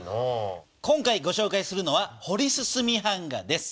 今回ごしょうかいするのは「ほり進み版画」です。